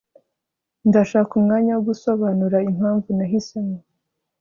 ndashaka umwanya wo gusobanura impamvu nahisemo